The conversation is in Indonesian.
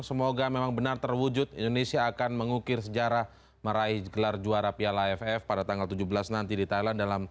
semoga memang benar terwujud indonesia akan mengukir sejarah meraih gelar juara piala aff pada tanggal tujuh belas nanti di thailand